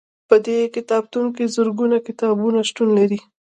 په دې کتابتون کې زرګونه کتابونه شتون لري.